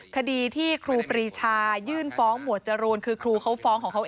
คดีที่ครูปรีชายื่นฟ้องหมวดจรูนคือครูเขาฟ้องของเขา